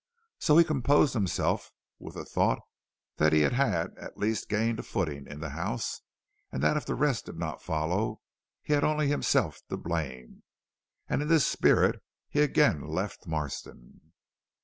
So he composed himself with the thought that he had at least gained a footing in the house, and if the rest did not follow he had only himself to blame. And in this spirit he again left Marston.